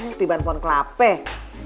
ketibaan pohon kelapih